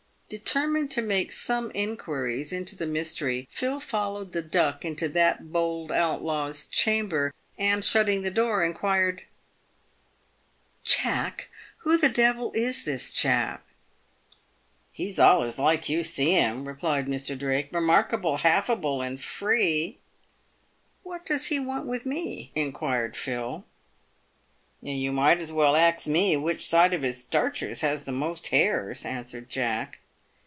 Determined to make some inquiries into the mystery, Phil followed the Duck into that bold outlaw's chamber, and, shutting the door, inquired, " Jack, who the devil is this chap ?"" He's allers like you see him," replied Mr. Drake ;" remarkable haffable and free." " What does he want with me ?" inquired Phil. " You might as w r ell ax me which side of his starchers has the most hairs," answered Jack.